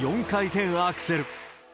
４回転アクセル。